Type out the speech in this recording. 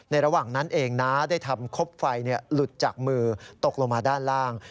ระหว่างนั้นเองนะได้ทำครบไฟหลุดจากมือตกลงมาด้านล่าง